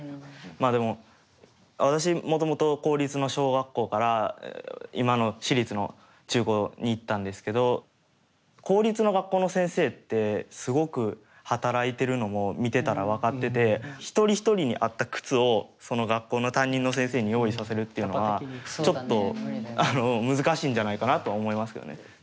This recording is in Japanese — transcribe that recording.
まあでも私もともと公立の小学校から今の私立の中高に行ったんですけど公立の学校の先生ってすごく働いてるのも見てたら分かってて一人一人に合った靴をその学校の担任の先生に用意させるっていうのはちょっと難しいんじゃないかなとは思いますけどね。